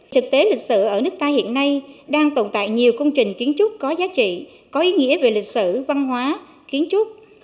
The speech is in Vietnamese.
thực tế lịch sử ở nước ta hiện nay đang tồn tại nhiều công trình kiến trúc có giá trị có ý nghĩa về lịch sử văn hóa kiến trúc